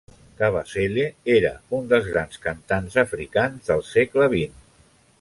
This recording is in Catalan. Kabasele era un dels grans cantants africans del segle vint.